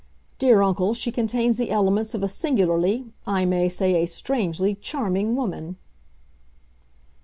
Dear uncle, she contains the elements of a singularly—I may say a strangely—charming woman!"